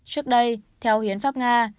trước đây theo hiến pháp nga